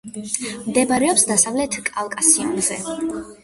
მდებარეობს დასავლეთ კავკასიონზე.